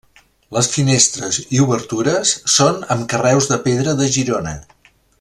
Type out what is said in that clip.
Les finestres i obertures són amb carreus de pedra de Girona.